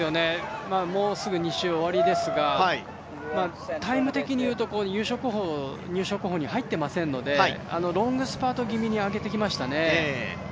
もうすぐ２周終わりですがタイム的にいうと入賞候補に入ってませんのでロングスパート気味に上げてきましたね。